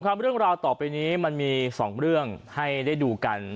เรื่องราวต่อไปนี้มันมี๒เรื่องให้ได้ดูกัน